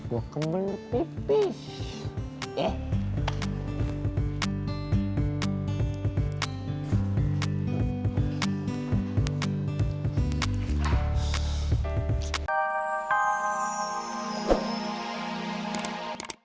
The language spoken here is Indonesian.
gue kembali pipis